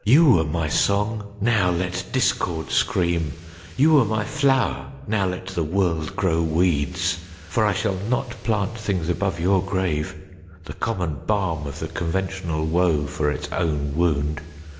You were my song! Now, let discord scream! You were my flower! Now let the world grow weeds! For I shall notPlant things above your grave—(the common balmOf the conventional woe for its own wound!)